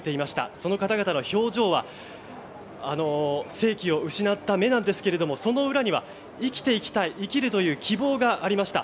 その方々の表情は生気を失った目なんですがその裏には生きていきたい生きるという希望がありました。